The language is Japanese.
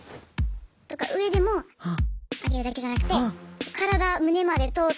とか上でも上げるだけじゃなくて体胸まで通って。